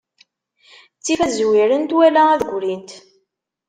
Ttif ad zwirent, wala ad grint.